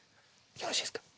よろしいですか？